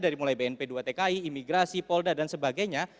dari mulai bnp dua tki imigrasi polda dan sebagainya